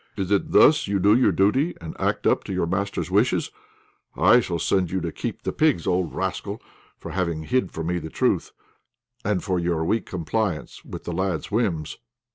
Is it thus you do your duty and act up to your master's wishes? I shall send you to keep the pigs, old rascal, for having hid from me the truth, and for your weak compliance with the lad's whims.